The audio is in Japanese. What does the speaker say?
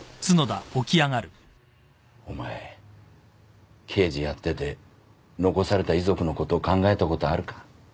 お前刑事やってて残された遺族のこと考えたことあるか？